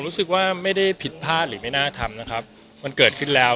รู้สึกว่าไม่ได้ผิดพลาดหรือไม่น่าทำนะครับมันเกิดขึ้นแล้ว